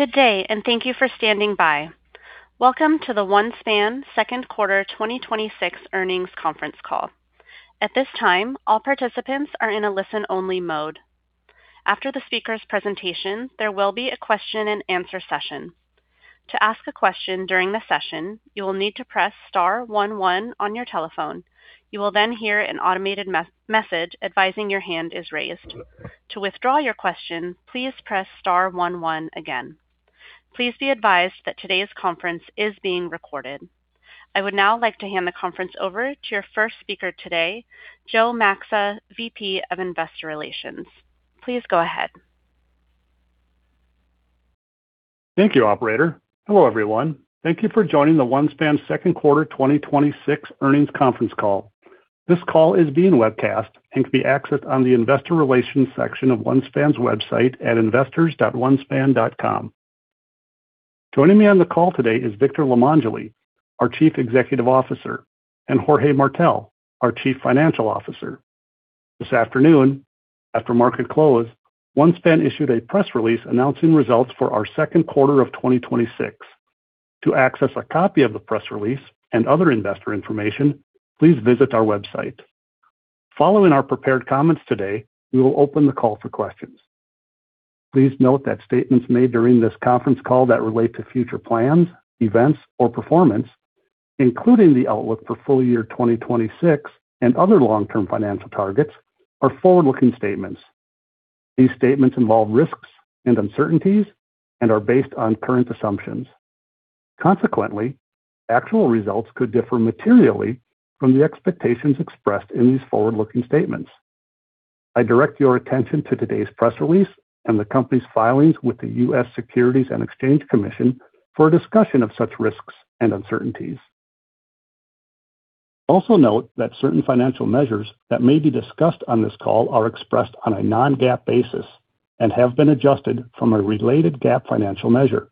Good day, and thank you for standing by. Welcome to the OneSpan Second Quarter 2026 Earnings Conference Call. At this time, all participants are in a listen-only mode. After the speaker's presentation, there will be a question-and-answer session. To ask a question during the session, you will need to press star one one on your telephone. You will then hear an automated message advising your hand is raised. To withdraw your question, please press star one one again. Please be advised that today's conference is being recorded. I would now like to hand the conference over to your first speaker today, Joe Maxa, VP of Investor Relations. Please go ahead. Thank you, operator. Hello everyone? Thank you for joining the OneSpan second quarter 2026 earnings conference call. This call is being webcast and can be accessed on the investor relations section of OneSpan's website at investors.onespan.com. Joining me on the call today is Victor Limongelli, our Chief Executive Officer, and Jorge Martell, our Chief Financial Officer. This afternoon, after market close, OneSpan issued a press release announcing results for our second quarter of 2026. To access a copy of the press release and other investor information, please visit our website. Following our prepared comments today, we will open the call for questions. Please note that statements made during this conference call that relate to future plans, events, or performance, including the outlook for full year 2026 and other long-term financial targets, are forward-looking statements. These statements involve risks and uncertainties and are based on current assumptions. Consequently, actual results could differ materially from the expectations expressed in these forward-looking statements. I direct your attention to today's press release and the company's filings with the U.S. Securities and Exchange Commission for a discussion of such risks and uncertainties. Also note that certain financial measures that may be discussed on this call are expressed on a non-GAAP basis and have been adjusted from a related GAAP financial measure.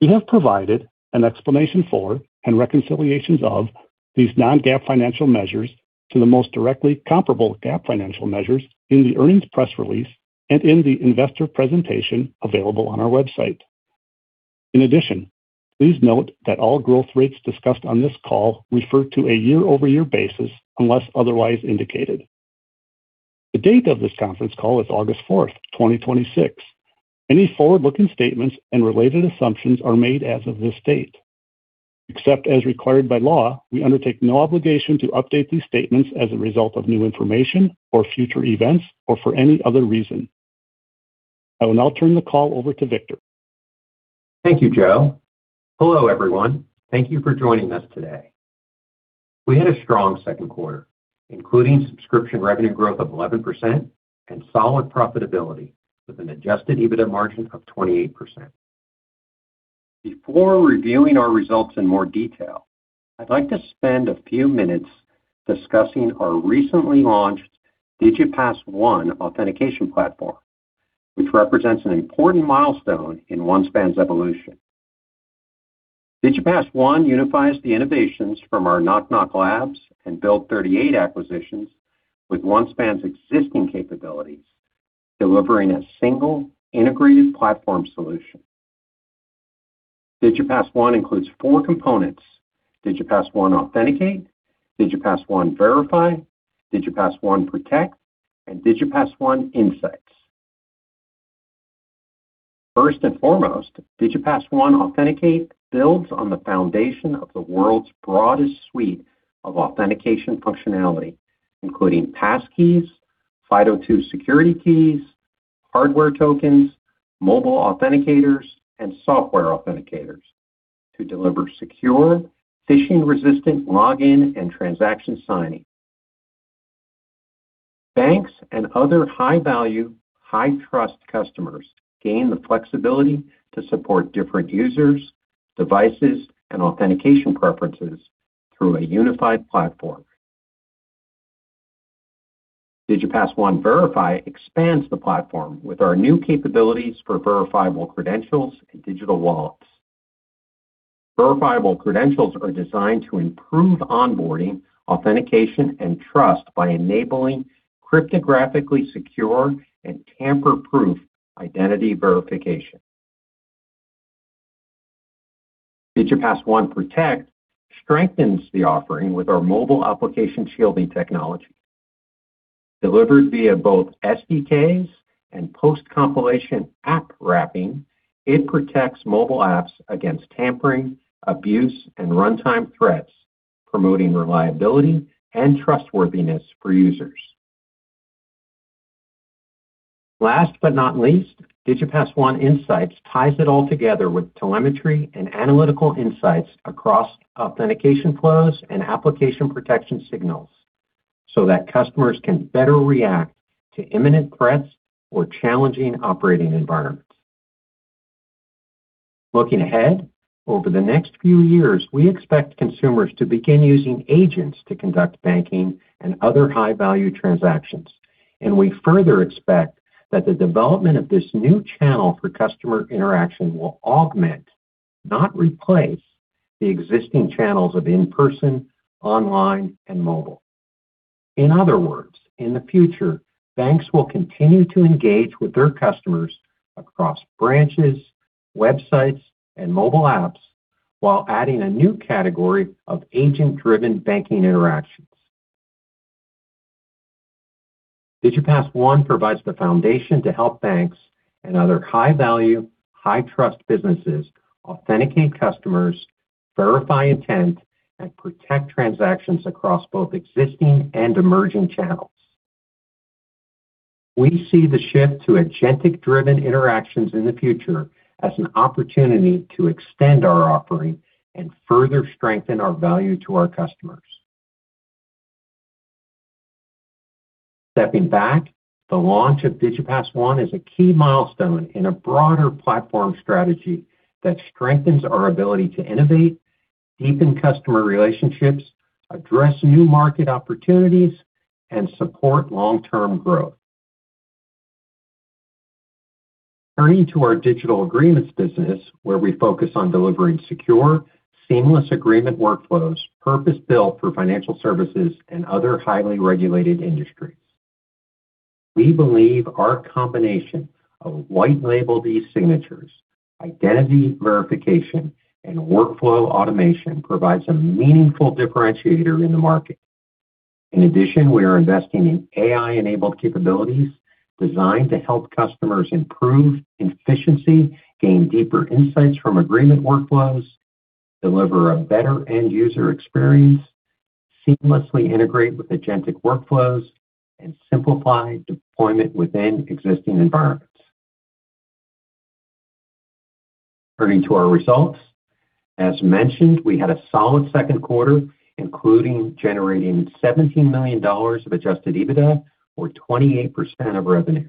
We have provided an explanation for and reconciliations of these non-GAAP financial measures to the most directly comparable GAAP financial measures in the earnings press release and in the investor presentation available on our website. In addition, please note that all growth rates discussed on this call refer to a year-over-year basis unless otherwise indicated. The date of this conference call is August 4, 2026. Any forward-looking statements and related assumptions are made as of this date. Except as required by law, we undertake no obligation to update these statements as a result of new information or future events or for any other reason. I will now turn the call over to Victor. Thank you, Joe. Hello, everyone? Thank you for joining us today. We had a strong second quarter, including subscription revenue growth of 11% and solid profitability with an adjusted EBITDA margin of 28%. Before reviewing our results in more detail, I'd like to spend a few minutes discussing our recently launched DigipassONE authentication platform, which represents an important milestone in OneSpan's evolution. DigipassONE unifies the innovations from our Nok Nok Labs and Build38 acquisitions with OneSpan's existing capabilities, delivering a single integrated platform solution. DigipassONE includes four components: DigipassONE Authenticate, DigipassONE Verify, DigipassONE Protect, and DigipassONE Insights. First and foremost, DigipassONE Authenticate builds on the foundation of the world's broadest suite of authentication functionality, including passkeys, FIDO2 security keys, hardware tokens, mobile authenticators, and software authenticators to deliver secure, phishing-resistant login and transaction signing. Banks and other high-value, high-trust customers gain the flexibility to support different users, devices, and authentication preferences through a unified platform. DigipassONE Verify expands the platform with our new capabilities for verifiable credentials and digital wallets. Verifiable credentials are designed to improve onboarding, authentication, and trust by enabling cryptographically secure and tamper-proof identity verification. DigipassONE Protect strengthens the offering with our mobile application shielding technology. Delivered via both SDKs and post-compilation app wrapping, it protects mobile apps against tampering, abuse, and runtime threats, promoting reliability and trustworthiness for users. Last but not least, DigipassONE Insights ties it all together with telemetry and analytical insights across authentication flows and application protection signals so that customers can better react to imminent threats or challenging operating environments. Looking ahead, over the next few years, we expect consumers to begin using agents to conduct banking and other high-value transactions, and we further expect that the development of this new channel for customer interaction will augment, not replace, the existing channels of in-person, online, and mobile. In other words, in the future, banks will continue to engage with their customers across branches, websites, and mobile apps while adding a new category of agent-driven banking interactions. DigipassONE provides the foundation to help banks and other high-value, high-trust businesses authenticate customers, verify intent, and protect transactions across both existing and emerging channels. We see the shift to agentic-driven interactions in the future as an opportunity to extend our offering and further strengthen our value to our customers. Stepping back, the launch of DigipassONE is a key milestone in a broader platform strategy that strengthens our ability to innovate, deepen customer relationships, address new market opportunities, and support long-term growth. Turning to our digital agreements business, where we focus on delivering secure, seamless agreement workflows purpose-built for financial services and other highly regulated industries. We believe our combination of white label e-signatures, identity verification, and workflow automation provides a meaningful differentiator in the market. In addition, we are investing in AI-enabled capabilities designed to help customers improve efficiency, gain deeper insights from agreement workflows, deliver a better end-user experience, seamlessly integrate with agentic workflows, and simplify deployment within existing environments. Turning to our results. As mentioned, we had a solid second quarter, including generating $17 million of adjusted EBITDA or 28% of revenue.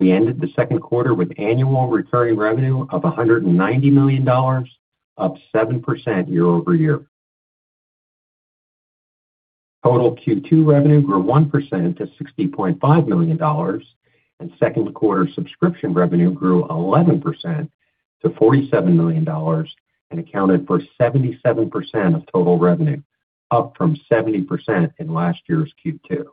We ended the second quarter with annual recurring revenue of $190 million, up 7% year-over-year. Total Q2 revenue grew 1% to $60.5 million, and second quarter subscription revenue grew 11% to $47 million and accounted for 77% of total revenue, up from 70% in last year's Q2.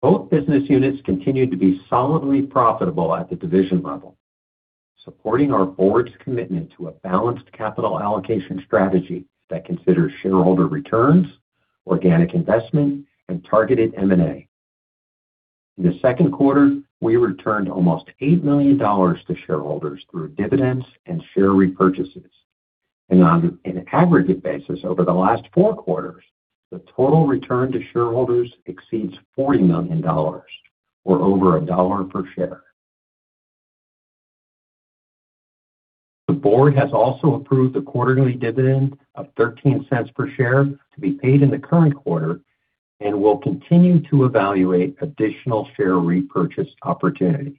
Both business units continued to be solidly profitable at the division level, supporting our board's commitment to a balanced capital allocation strategy that considers shareholder returns, organic investment, and targeted M&A. In the second quarter, we returned almost $8 million to shareholders through dividends and share repurchases. On an aggregate basis over the last four quarters, the total return to shareholders exceeds $40 million, or over a dollar per share. The board has also approved a quarterly dividend of $0.13 per share to be paid in the current quarter and will continue to evaluate additional share repurchase opportunities.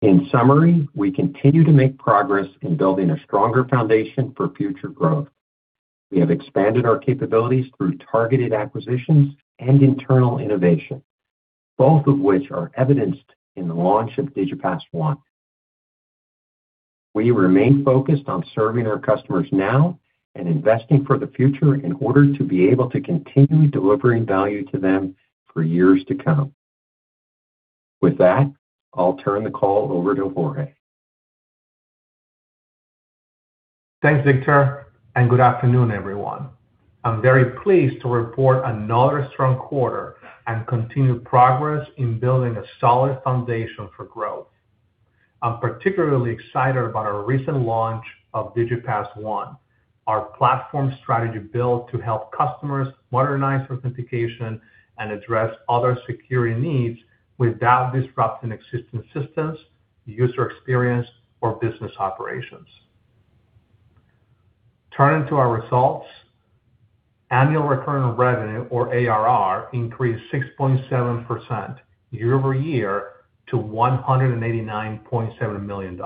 In summary, we continue to make progress in building a stronger foundation for future growth. We have expanded our capabilities through targeted acquisitions and internal innovation, both of which are evidenced in the launch of DigipassONE. We remain focused on serving our customers now and investing for the future in order to be able to continue delivering value to them for years to come. With that, I'll turn the call over to Jorge. Thanks, Victor, and good afternoon everyone? I am very pleased to report another strong quarter and continued progress in building a solid foundation for growth. I am particularly excited about our recent launch of DigipassONE, our platform strategy built to help customers modernize authentication and address other security needs without disrupting existing systems, user experience, or business operations. Turning to our results. Annual recurring revenue, or ARR, increased 6.7% year-over-year to $189.7 million,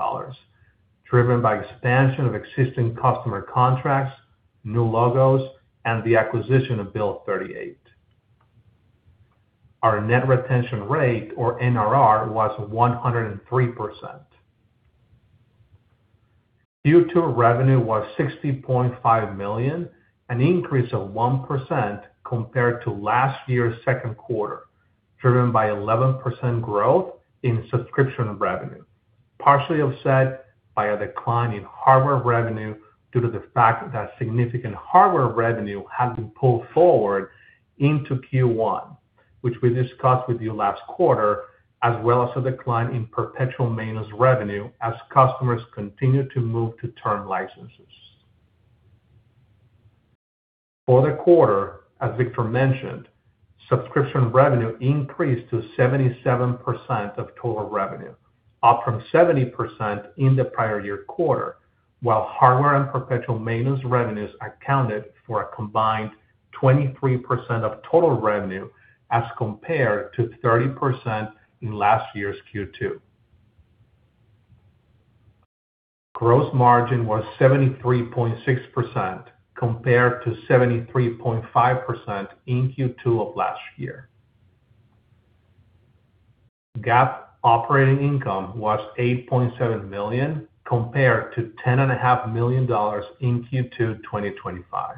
driven by expansion of existing customer contracts, new logos, and the acquisition of Build38. Our net retention rate, or NRR, was 103%. Q2 revenue was $60.5 million, an increase of 1% compared to last year's second quarter, driven by 11% growth in subscription revenue, partially offset by a decline in hardware revenue due to the fact that significant hardware revenue had been pulled forward into Q1, which we discussed with you last quarter, as well as a decline in perpetual maintenance revenue as customers continued to move to term licenses. For the quarter, as Victor mentioned, subscription revenue increased to 77% of total revenue, up from 70% in the prior year quarter, while hardware and perpetual maintenance revenues accounted for a combined 23% of total revenue as compared to 30% in last year's Q2. Gross margin was 73.6% compared to 73.5% in Q2 of last year. GAAP operating income was $8.7 million compared to $10.5 million in Q2 2025.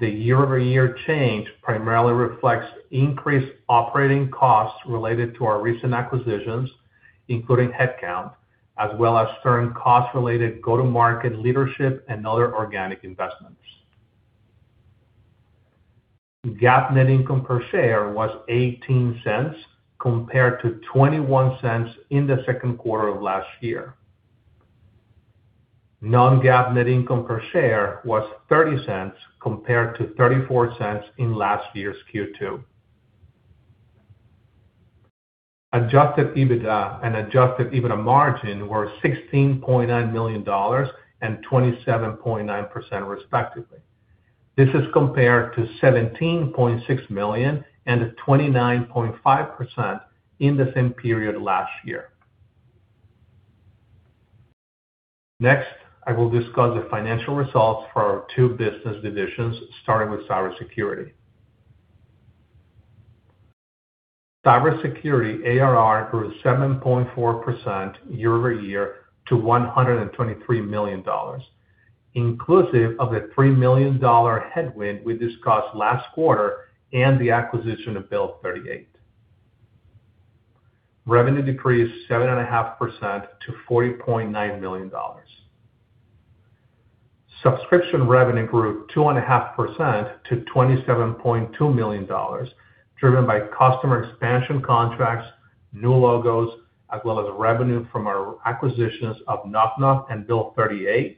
The year-over-year change primarily reflects increased operating costs related to our recent acquisitions, including headcount, as well as certain cost-related go-to-market leadership and other organic investments. GAAP net income per share was $0.18, compared to $0.21 in the second quarter of last year. non-GAAP net income per share was $0.30, compared to $0.34 in last year's Q2. Adjusted EBITDA and adjusted EBITDA margin were $16.9 million and 27.9%, respectively. This is compared to $17.6 million and 29.5% in the same period last year. Next, I will discuss the financial results for our two business divisions, starting with cybersecurity. Cybersecurity ARR grew 7.4% year-over-year to $123 million, inclusive of a $3 million headwind we discussed last quarter and the acquisition of Build38. Revenue decreased 7.5% to $40.9 million. Subscription revenue grew 2.5% to $27.2 million, driven by customer expansion contracts, new logos, as well as revenue from our acquisitions of Nok Nok and Build38,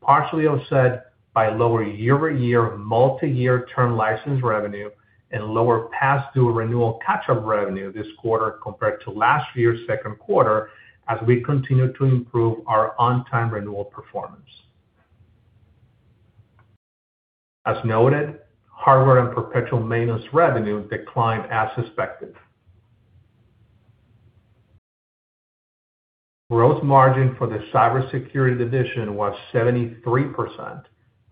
partially offset by lower year-over-year multi-year term license revenue and lower pass-through renewal catch-up revenue this quarter compared to last year's second quarter, as we continue to improve our on-time renewal performance. As noted, hardware and perpetual maintenance revenue declined as expected. Gross margin for the cybersecurity division was 73%,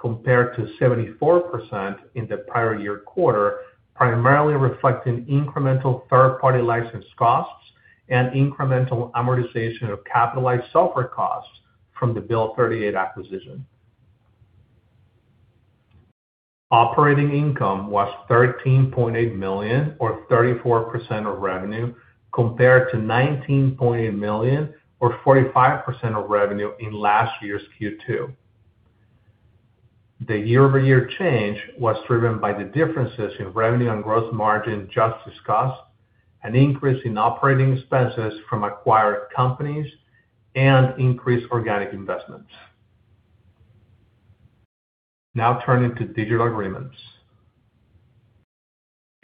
compared to 74% in the prior year quarter, primarily reflecting incremental third-party license costs and incremental amortization of capitalized software costs from the Build38 acquisition. Operating income was $13.8 million, or 34% of revenue, compared to $19.8 million, or 45% of revenue in last year's Q2. The year-over-year change was driven by the differences in revenue and gross margin just discussed, an increase in operating expenses from acquired companies, and increased organic investments. Turning to digital agreements.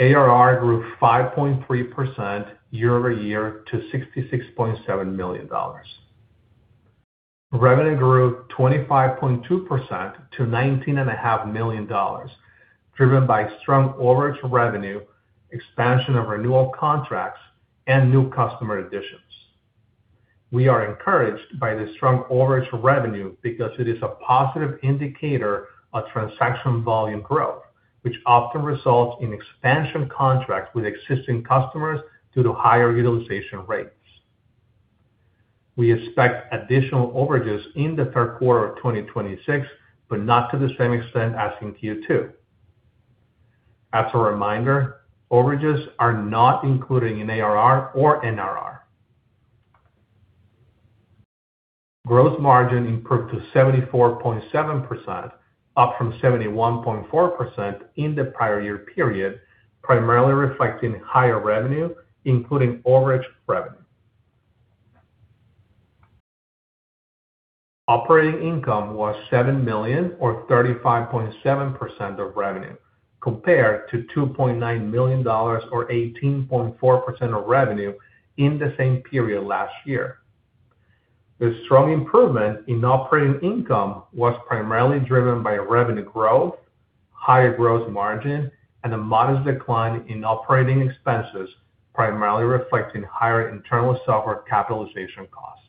ARR grew 5.3% year-over-year to $66.7 million. Revenue grew 25.2% to $19.5 million, driven by strong overage revenue, expansion of renewal contracts, and new customer additions. We are encouraged by the strong overage revenue because it is a positive indicator of transaction volume growth, which often results in expansion contracts with existing customers due to higher utilization rates. We expect additional overages in the third quarter of 2026, but not to the same extent as in Q2. As a reminder, overages are not included in ARR or NRR. Gross margin improved to 74.7%, up from 71.4% in the prior year period, primarily reflecting higher revenue, including overage revenue. Operating income was $7 million, or 35.7% of revenue, compared to $2.9 million or 18.4% of revenue in the same period last year. The strong improvement in operating income was primarily driven by revenue growth, higher gross margin, and a modest decline in operating expenses, primarily reflecting higher internal software capitalization costs.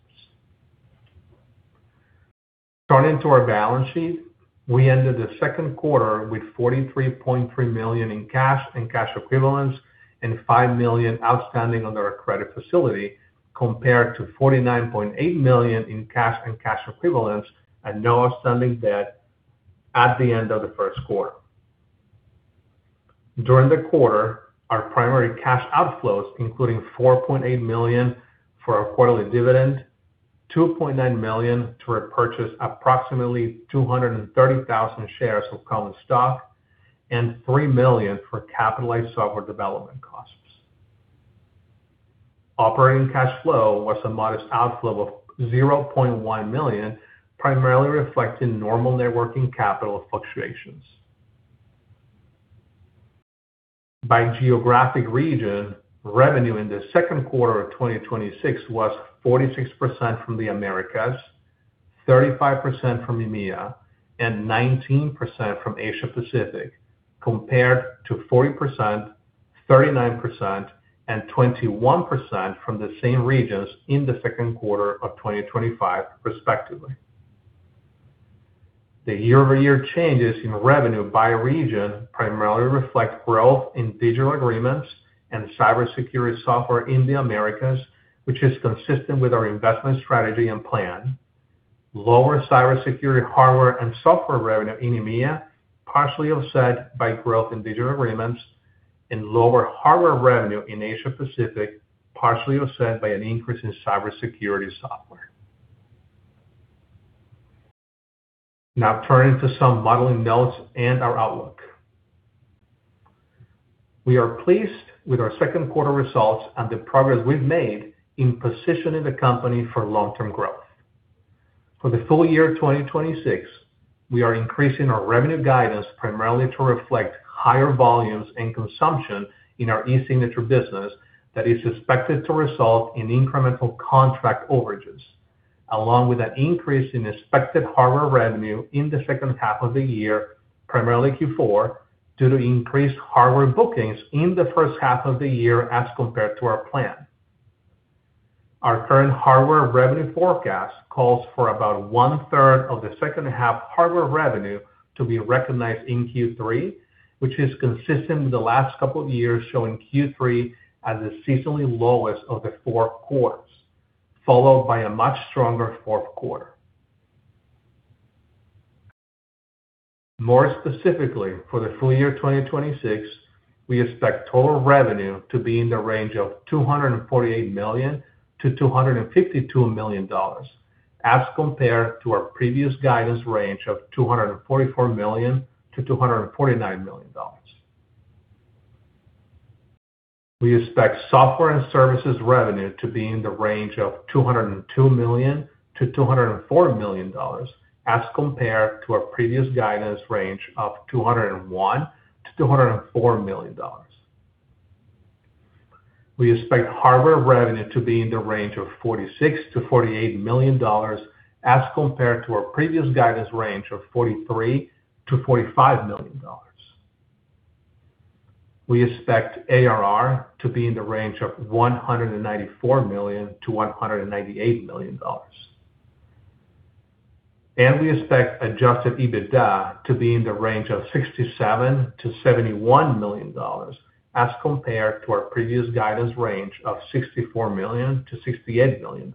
Turning to our balance sheet, we ended the second quarter with $43.3 million in cash and cash equivalents and $5 million outstanding under our credit facility, compared to $49.8 million in cash and cash equivalents and no outstanding debt at the end of the first quarter. During the quarter, our primary cash outflows including $4.8 million for our quarterly dividend, $2.9 million to repurchase approximately 230,000 shares of common stock, and $3 million for capitalized software development costs. Operating cash flow was a modest outflow of $0.1 million, primarily reflecting normal net working capital fluctuations. By geographic region, revenue in the second quarter of 2026 was 46% from the Americas, 35% from EMEA, and 19% from Asia Pacific, compared to 40%, 39%, and 21% from the same regions in the second quarter of 2025, respectively. The year-over-year changes in revenue by region primarily reflect growth in digital agreements and cybersecurity software in the Americas, which is consistent with our investment strategy and plan. Lower cybersecurity hardware and software revenue in EMEA, partially offset by growth in digital agreements, and lower hardware revenue in Asia Pacific, partially offset by an increase in cybersecurity software. Turning to some modeling notes and our outlook. We are pleased with our second quarter results and the progress we've made in positioning the company for long-term growth. For the full year 2026, we are increasing our revenue guidance primarily to reflect higher volumes and consumption in our e-signature business that is expected to result in incremental contract overages, along with an increase in expected hardware revenue in the second half of the year, primarily Q4, due to increased hardware bookings in the first half of the year as compared to our plan. Our current hardware revenue forecast calls for about 1/3 of the second-half hardware revenue to be recognized in Q3, which is consistent with the last couple of years, showing Q3 as the seasonally lowest of the four quarters, followed by a much stronger fourth quarter. More specifically, for the full year 2026, we expect total revenue to be in the range of $248 million-$252 million, as compared to our previous guidance range of $244 million-$249 million. We expect software and services revenue to be in the range of $202 million-$204 million, as compared to our previous guidance range of $201 million-$204 million. We expect hardware revenue to be in the range of $46 million-$48 million, as compared to our previous guidance range of $43 million-$45 million. We expect ARR to be in the range of $194 million-$198 million. We expect adjusted EBITDA to be in the range of $67 million-$71 million, as compared to our previous guidance range of $64 million-$68 million.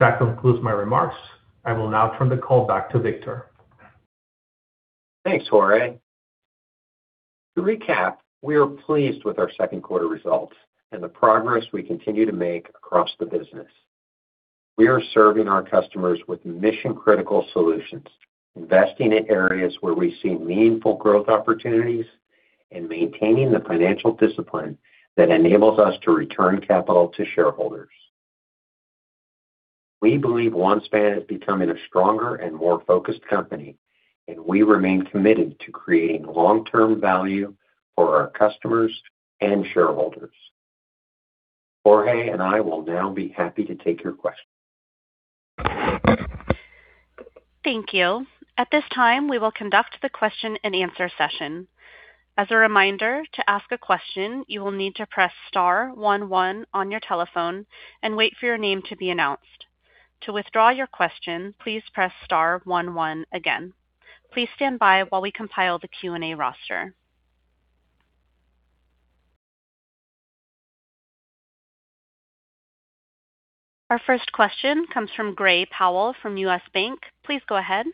That concludes my remarks. I will now turn the call back to Victor. Thanks, Jorge. To recap, we are pleased with our second quarter results and the progress we continue to make across the business. We are serving our customers with mission-critical solutions, investing in areas where we see meaningful growth opportunities, and maintaining the financial discipline that enables us to return capital to shareholders. We believe OneSpan is becoming a stronger and more focused company, and we remain committed to creating long-term value for our customers and shareholders. Jorge and I will now be happy to take your questions. Thank you. At this time, we will conduct the question and answer session. As a reminder, to ask a question, you will need to press star one one on your telephone and wait for your name to be announced. To withdraw your question, please press star one one again. Please stand by while we compile the Q&A roster. Our first question comes from Gray Powell from U.S. Bank, please go ahead.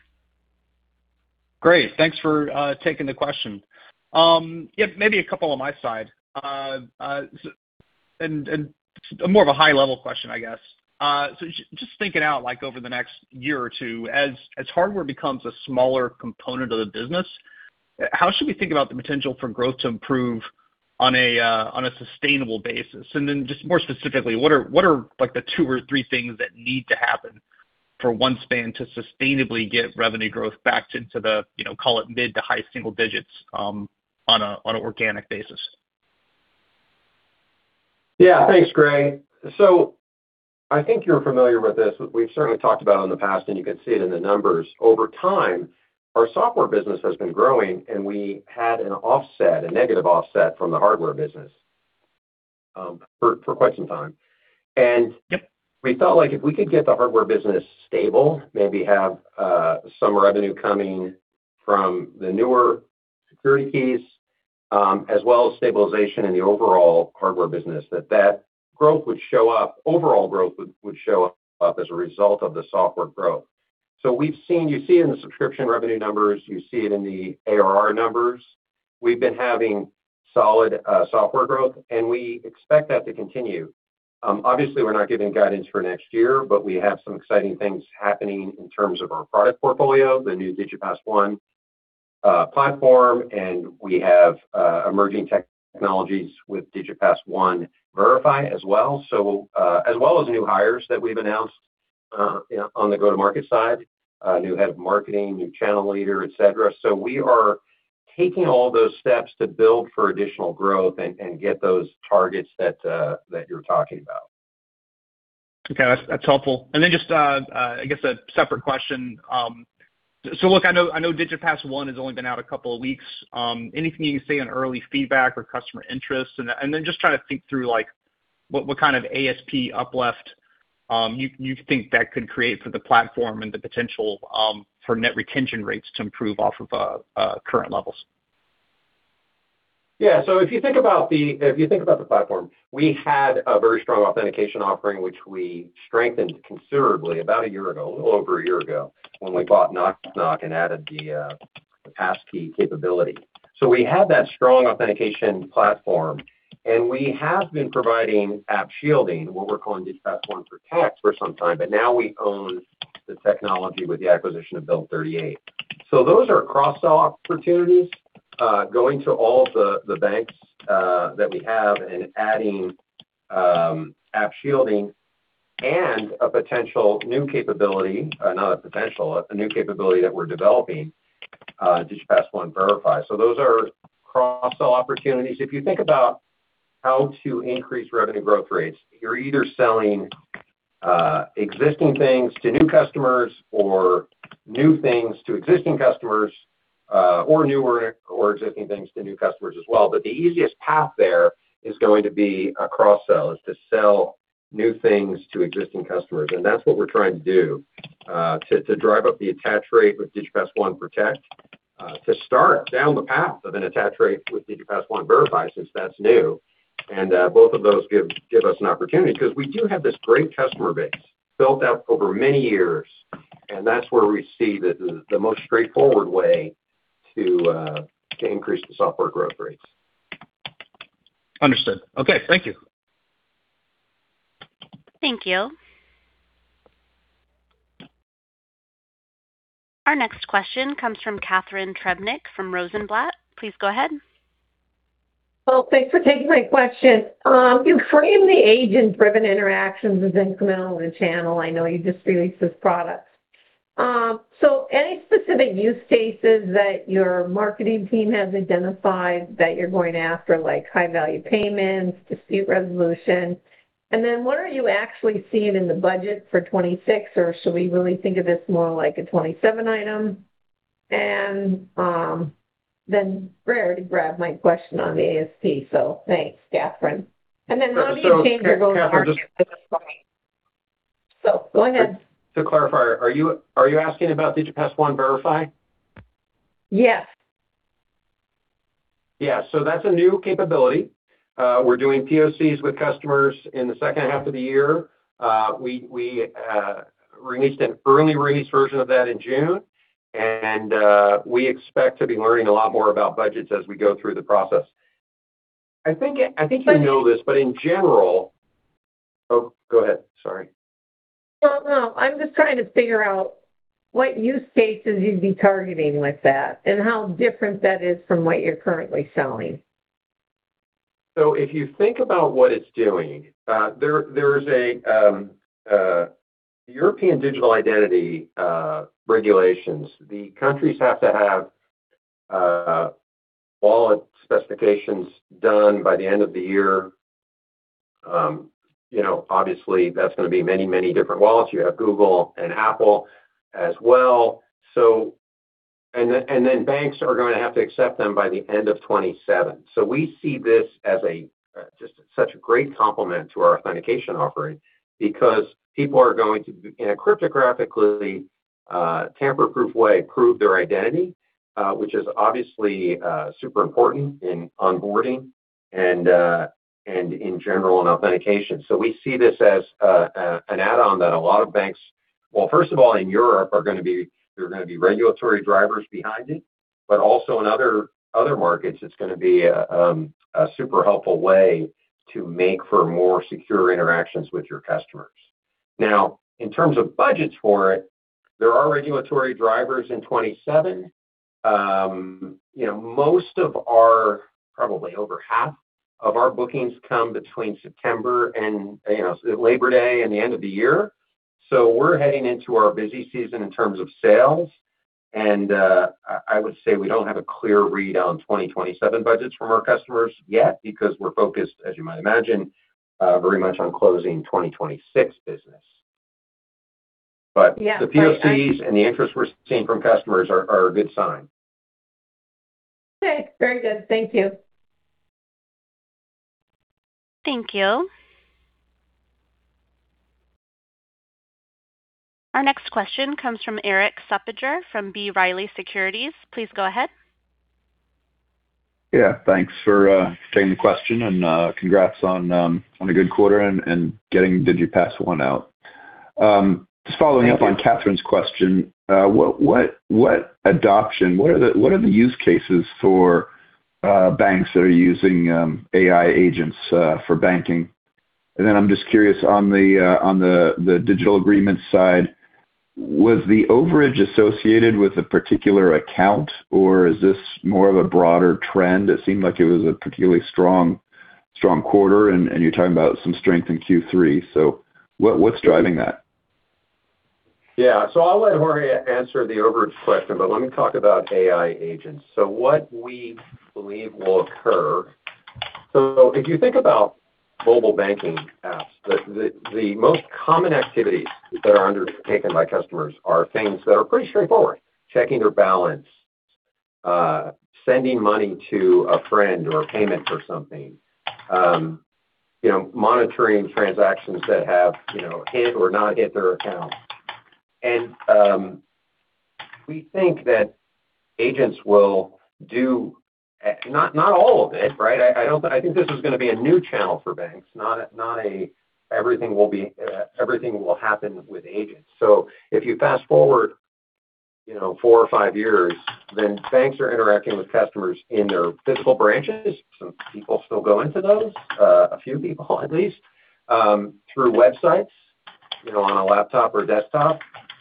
Great. Thanks for taking the question. Yeah, maybe a couple on my side. More of a high-level question, I guess. Just thinking out, like over the next year or two, as hardware becomes a smaller component of the business, how should we think about the potential for growth to improve on a sustainable basis? Then just more specifically, what are like the two or three things that need to happen for OneSpan to sustainably get revenue growth back into the, call it, mid to high single digits on an organic basis? Yeah. Thanks, Gray. I think you're familiar with this. We've certainly talked about it in the past, and you can see it in the numbers. Over time, our software business has been growing, and we had an offset, a negative offset from the hardware business for quite some time. We felt like if we could get the hardware business stable, maybe have some revenue coming from the newer security keys, as well as stabilization in the overall hardware business, that growth would show up, overall growth would show up as a result of the software growth. You see it in the subscription revenue numbers, you see it in the ARR numbers. We've been having solid software growth, and we expect that to continue. Obviously, we're not giving guidance for next year, but we have some exciting things happening in terms of our product portfolio, the new DigipassONE platform, and we have emerging technologies with DigipassONE Verify as well, as well as new hires that we've announced on the go-to-market side, a new head of marketing, new channel leader, et cetera. We are taking all those steps to build for additional growth and get those targets that you're talking about. Okay. That's helpful. Just, I guess a separate question. Look, I know DigipassONE has only been out a couple of weeks. Anything you can say on early feedback or customer interest? Just trying to think through what kind of ASP uplift you think that could create for the platform and the potential for net retention rates to improve off of current levels. Yeah. If you think about the platform, we had a very strong authentication offering, which we strengthened considerably about a year ago, a little over a year ago, when we bought Nok Nok and added the passkey capability. We had that strong authentication platform, and we have been providing app shielding, what we're calling DigipassONE Protect, for some time, but now we own the technology with the acquisition of Build38. Those are cross-sell opportunities going to all the banks that we have and adding app shielding and a potential new capability, not a potential, a new capability that we're developing, DigipassONE Verify. Those are cross-sell opportunities. If you think about how to increase revenue growth rates, you're either selling existing things to new customers or new things to existing customers, or newer or existing things to new customers as well. The easiest path there is going to be a cross-sell. Is to sell new things to existing customers. That's what we're trying to do to drive up the attach rate with DigipassONE Protect to start down the path of an attach rate with DigipassONE Verify, since that's new. Both of those give us an opportunity because we do have this great customer base built up over many years, and that's where we see the most straightforward way to increase the software growth rates. Understood. Okay. Thank you. Thank you. Our next question comes from Catharine Trebnick from Rosenblatt, please go ahead. Well, thanks for taking my question. You frame the agent-driven interactions as incremental to the channel. I know you just released this product. Any specific use cases that your marketing team has identified that you're going after, like high-value payments, dispute resolution? And what are you really seeing in the budget for 2026, should we really think of this more like a 2027 item? And then Gray already grabbed my question on the ASP, thanks. How do you change your go-to-market for this play? Go ahead. To clarify, are you asking about DigipassONE Verify? Yes. Yeah. That's a new capability. We're doing POCs with customers in the second half of the year. We released an early release version of that in June, we expect to be learning a lot more about budgets as we go through the process. I think you know this, but in general Oh, go ahead, sorry. Well, no. I'm just trying to figure out what use cases you'd be targeting with that and how different that is from what you're currently selling. If you think about what it's doing, there is a European digital identity regulations. The countries have to have wallet specifications done by the end of the year. Obviously, that's going to be many different wallets. You have Google and Apple as well. Then banks are going to have to accept them by the end of 2027. We see this as just such a great complement to our authentication offering because people are going to, in a cryptographically tamper-proof way, prove their identity which is obviously super important in onboarding and in general in authentication. We see this as an add-on that a lot of banks, well, first of all, in Europe, there are going to be regulatory drivers behind it, but also in other markets, it's going to be a super helpful way to make for more secure interactions with your customers. Now, in terms of budgets for it, there are regulatory drivers in 2027. Most of our, probably over half of our bookings come between September and Labor Day and the end of the year. We're heading into our busy season in terms of sales. I would say we don't have a clear read on 2027 budgets from our customers yet because we're focused, as you might imagine, very much on closing 2026 business. Yeah. The POCs and the interest we're seeing from customers are a good sign. Okay. Very good. Thank you. Thank you. Our next question comes from Erik Suppiger from B. Riley Securities, please go ahead. Yeah. Thanks for taking the question, and congrats on a good quarter and getting DigipassONE out. Thank you. Just following up on Catharine's question, what adoption, what are the use cases for banks that are using AI agents for banking? Then I'm just curious on the digital agreement side, was the overage associated with a particular account, or is this more of a broader trend? It seemed like it was a particularly strong quarter, and you're talking about some strength in Q3, so what's driving that? Yeah. I'll let Jorge answer the overage question, but let me talk about AI agents. What we believe will occur. If you think about mobile banking apps, the most common activities that are undertaken by customers are things that are pretty straightforward, checking their balance, sending money to a friend or a payment for something, monitoring transactions that have hit or not hit their account. And we think that agents will do not all of it, right? I think this is going to be a new channel for banks, not everything will happen with agents. If you fast-forward four or five years, then banks are interacting with customers in their physical branches. Some people still go into those, a few people at least, through websites, on a laptop or desktop,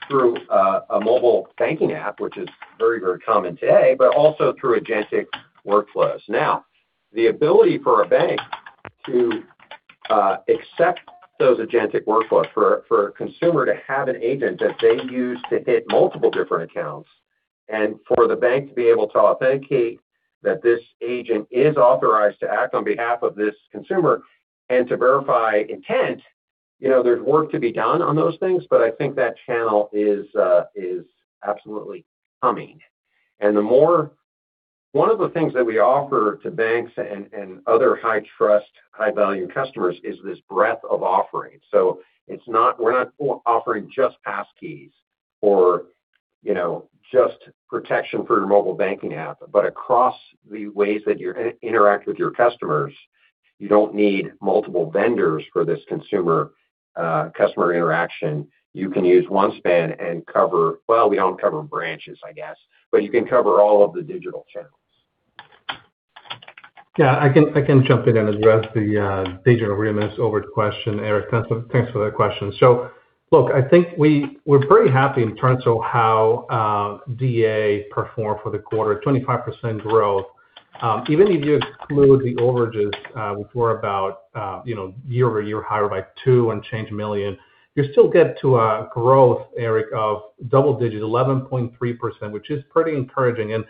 through a mobile banking app, which is very common today, but also through agentic workflows. Now, the ability for a bank to accept those agentic workflows, for a consumer to have an agent that they use to hit multiple different accounts, and for the bank to be able to authenticate that this agent is authorized to act on behalf of this consumer and to verify intent. There's work to be done on those things, but I think that channel is absolutely coming. One of the things that we offer to banks and other high-trust, high-value customers is this breadth of offering. So we're not offering just passkeys or just protection for your mobile banking app, but across the ways that you interact with your customers, you don't need multiple vendors for this consumer-customer interaction. You can use OneSpan and cover, well, we don't cover branches, I guess, but you can cover all of the digital channels. Yeah, I can jump in and address the agent overage question, Erik. Thanks for that question. Look, I think we're pretty happy in terms of how DA performed for the quarter, 25% growth. Even if you exclude the overages, which were about year-over-year higher by $2-and-change million, you still get to a growth, Erik, of double digits, 11.3%, which is pretty encouraging. And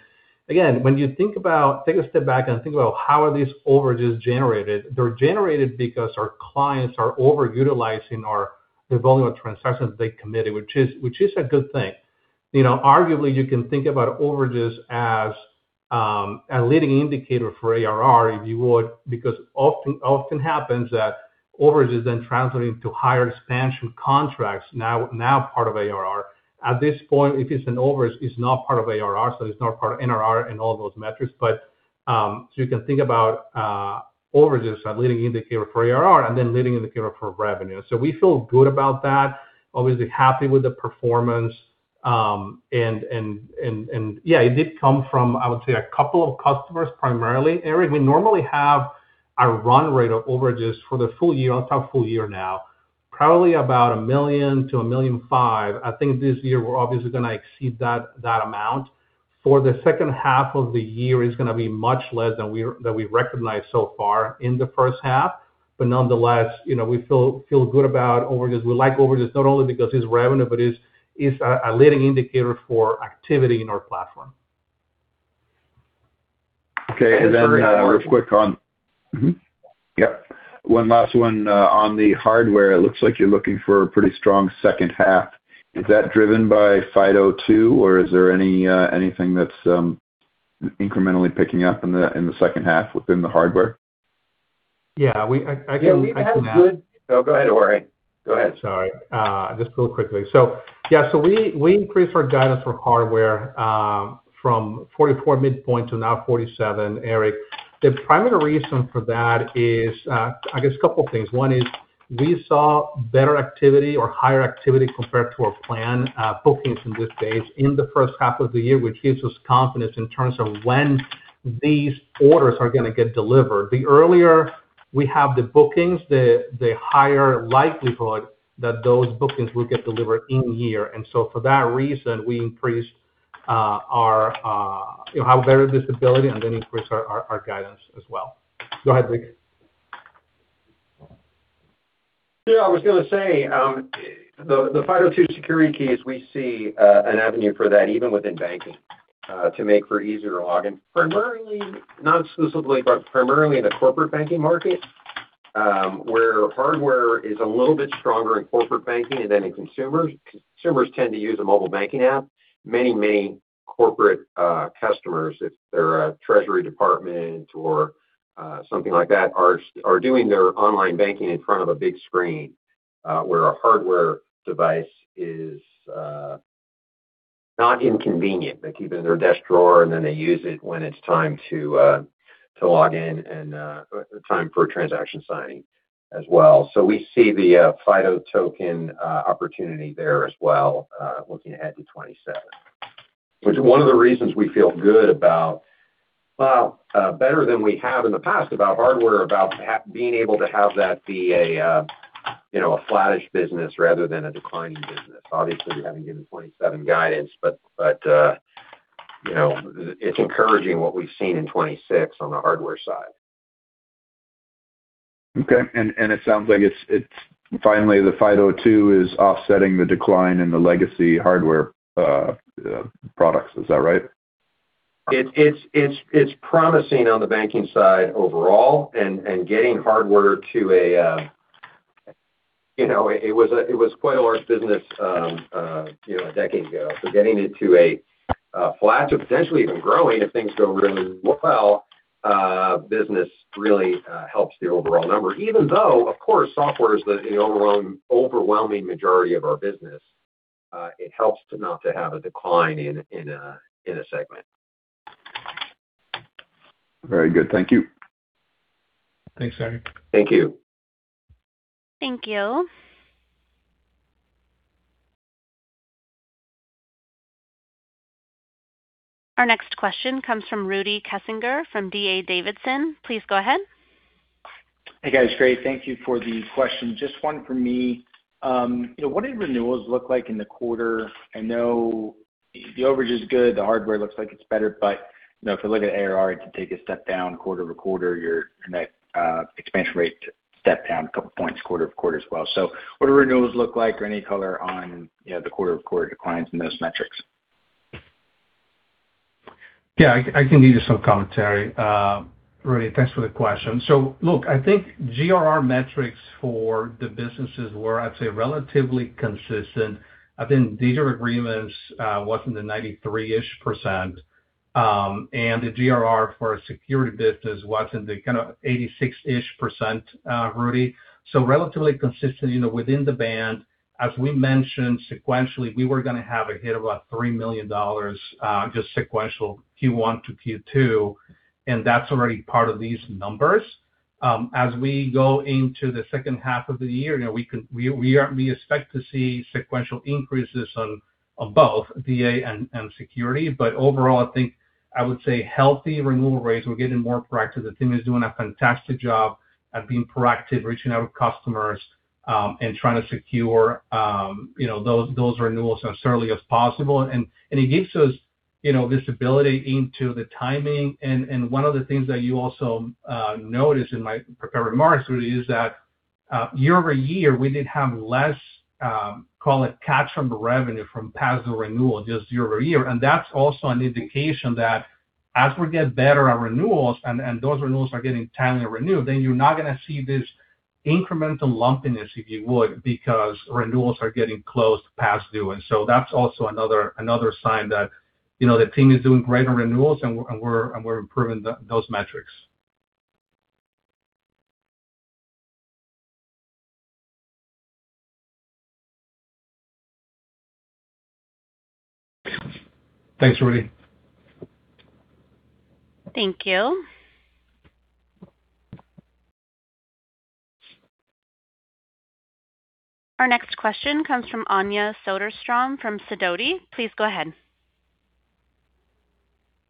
again, when you take a step back and think about how are these overages generated, they're generated because our clients are over-utilizing the volume of transactions they committed, which is a good thing. Arguably, you can think about overages as a leading indicator for ARR, if you would, because often happens that overages then transfer into higher expansion contracts, now part of ARR. At this point, if it's an overage, it's not part of ARR, so it's not part of NRR and all those metrics. You can think about overages as a leading indicator for ARR and then leading indicator for revenue. We feel good about that. Obviously happy with the performance. Yeah, it did come from, I would say, a couple of customers primarily. Erik, we normally have a run rate of overages for the full year, I'll talk full year now, probably about $1 million-$1.5 million. I think this year we're obviously going to exceed that amount. For the second half of the year is going to be much less than we recognized so far in the first half. Nonetheless, we feel good about overages. We like overages not only because it's revenue, but it's a leading indicator for activity in our platform. Okay, then real quick on- Mm-hmm. Yep. One last one on the hardware. It looks like you're looking for a pretty strong second half. Is that driven by FIDO2, or is there anything that's incrementally picking up in the second half within the hardware? Yeah, we've had. Oh, go ahead, Jorge. Go ahead. Sorry. Just real quickly. Yeah, we increased our guidance for hardware from 44 midpoint to now 47, Erik. The primary reason for that is, I guess a couple of things. One is we saw better activity or higher activity compared to our plan bookings in this case in the first half of the year, which gives us confidence in terms of when these orders are going to get delivered. The earlier we have the bookings, the higher likelihood that those bookings will get delivered in year. For that reason, we increased our better visibility and then increased our guidance as well. Go ahead, Vic. Yeah, I was going to say the FIDO2 security keys, we see an avenue for that even within banking to make for easier login. Primarily, not exclusively, but primarily in the corporate banking market where hardware is a little bit stronger in corporate banking than in consumers. Consumers tend to use a mobile banking app. Many corporate customers, if they're a treasury department or something like that, are doing their online banking in front of a big screen where a hardware device is not inconvenient. They keep it in their desk drawer, and then they use it when it's time to log in and time for transaction signing as well. We see the FIDO token opportunity there as well looking ahead to 2027. Which is one of the reasons we feel good about, better than we have in the past about hardware, about being able to have that be a flattish business rather than a declining business. Obviously, we haven't given 2027 guidance, it's encouraging what we've seen in 2026 on the hardware side. Okay. It sounds like finally the FIDO2 is offsetting the decline in the legacy hardware products. Is that right? It's promising on the banking side overall and It was quite a large business a decade ago, but getting it to a flat or potentially even growing if things go really well, business really helps the overall number, even though, of course, software is the overwhelming majority of our business. It helps not to have a decline in a segment. Very good. Thank you. Thanks, Erik. Thank you. Thank you. Our next question comes from Rudy Kessinger from D.A. Davidson, please go ahead. Hey, guys. Great. Thank you for the question. Just one for me. What did renewals look like in the quarter? I know the overage is good, the hardware looks like it's better, but if you look at ARR to take a step down quarter-over-quarter, your net expansion rate stepped down a couple points quarter-over-quarter as well. What do renewals look like or any color on the quarter-over-quarter declines in those metrics? I can give you some commentary. Rudy, thanks for the question. Look, I think GRR metrics for the businesses were, I'd say, relatively consistent. I think digital agreements was in the 93-ish%, and the GRR for our security business was in the 86-ish%, Rudy. Relatively consistent within the band. As we mentioned sequentially, we were going to have a hit of about $3 million just sequential Q1 to Q2, and that's already part of these numbers. As we go into the second half of the year, we expect to see sequential increases on both DA and security. Overall, I think I would say healthy renewal rates. We're getting more proactive. The team is doing a fantastic job at being proactive, reaching out to customers, and trying to secure those renewals as early as possible. It gives us visibility into the timing. One of the things that you also notice in my prepared remarks really is that year-over-year, we did have less, call it catch from the revenue from past the renewal just year-over-year. That's also an indication that as we get better at renewals and those renewals are getting timely renewed, you're not going to see this incremental lumpiness, if you would, because renewals are getting closed past due. That's also another sign that the team is doing great on renewals and we're improving those metrics. Thanks, Rudy. Thank you. Our next question comes from Anja Soderstrom from Sidoti, please go ahead.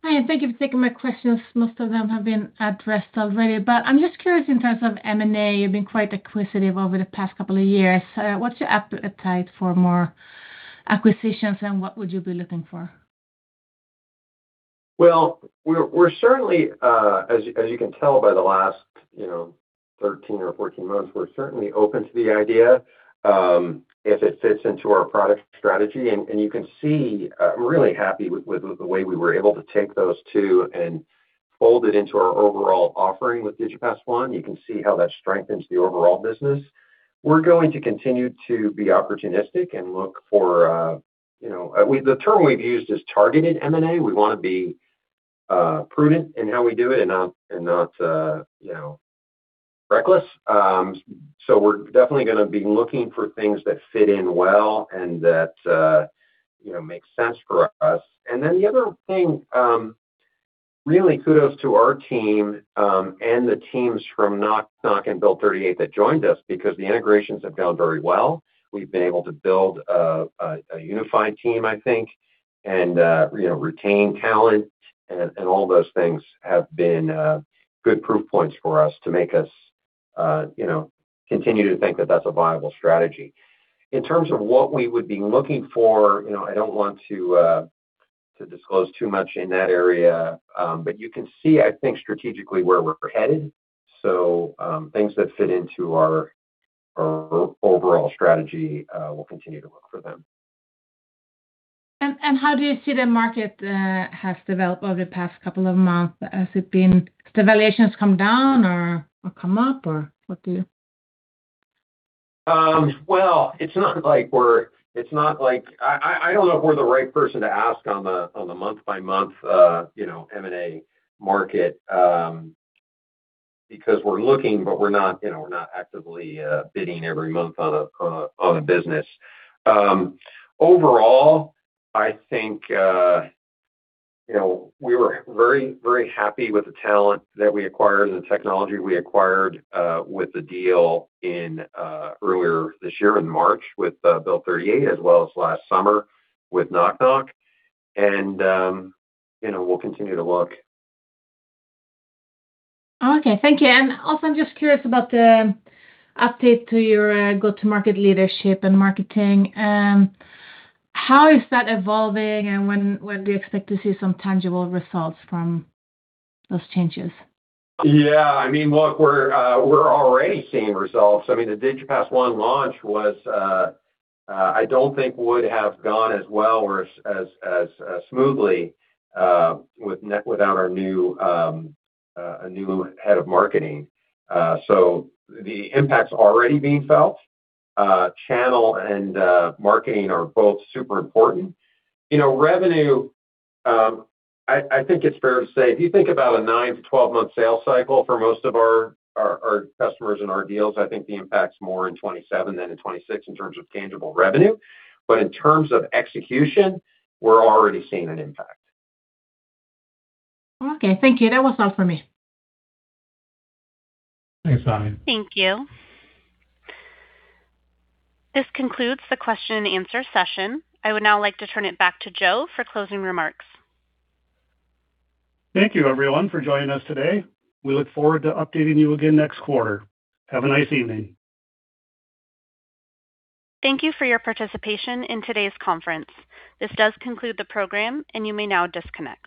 Hi, and thank you for taking my questions. Most of them have been addressed already, I'm just curious in terms of M&A, you've been quite acquisitive over the past couple of years. What's your appetite for more acquisitions, and what would you be looking for? As you can tell by the last 13 months or 14 months, we're certainly open to the idea if it fits into our product strategy. You can see I'm really happy with the way we were able to take those two and fold it into our overall offering with DigipassONE. You can see how that strengthens the overall business. We're going to continue to be opportunistic and look for The term we've used is targeted M&A. We want to be prudent in how we do it and not reckless. We're definitely going to be looking for things that fit in well and that make sense for us. The other thing, really kudos to our team, and the teams from Nok Nok and Build38 that joined us because the integrations have gone very well. We've been able to build a unified team, I think, and retain talent, and all those things have been good proof points for us to make us continue to think that that's a viable strategy. In terms of what we would be looking for, I don't want to disclose too much in that area, you can see, I think, strategically, where we're headed. Things that fit into our overall strategy, we'll continue to look for them. How do you see the market has developed over the past couple of months? Has the valuations come down or come up or what do you I don't know if we're the right person to ask on the month-by-month M&A market because we're looking, but we're not actively bidding every month on a business. Overall, I think we were very happy with the talent that we acquired and the technology we acquired with the deal earlier this year in March with Build38, as well as last summer with Nok Nok. We'll continue to look. Okay. Thank you. Also, I'm just curious about the update to your go-to-market leadership and marketing. How is that evolving, and when do you expect to see some tangible results from those changes? Yeah, look, we're already seeing results. The DigipassONE launch, I don't think would have gone as well or as smoothly without a new Head of Marketing. The impact's already being felt. Channel and marketing are both super important. Revenue, I think it's fair to say, if you think about a nine to twelve-month sales cycle for most of our customers and our deals, I think the impact's more in 2027 than in 2026 in terms of tangible revenue. In terms of execution, we're already seeing an impact. Okay. Thank you. That was all for me. Thanks, Anja. Thank you. This concludes the question-and-answer session. I would now like to turn it back to Joe for closing remarks. Thank you, everyone, for joining us today. We look forward to updating you again next quarter. Have a nice evening. Thank you for your participation in today's conference. This does conclude the program, and you may now disconnect.